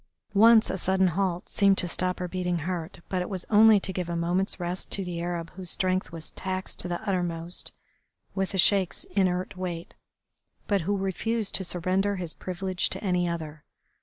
Once a sudden halt seemed to stop her heart beating, but it was only to give a moment's rest to the Arab whose strength was taxed to the uttermost with the Sheik's inert weight, but who refused to surrender his privilege to any other.